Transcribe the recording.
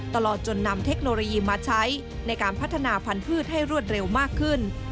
ตลอดจนนำเทคโนโลยีมาใช้ในการพัฒนาพันธุ์ให้รวดเร็วมากขึ้น